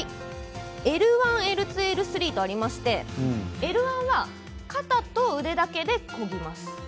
Ｌ１、Ｌ２、Ｌ３とありましてＬ１は肩と腕だけでこぎます。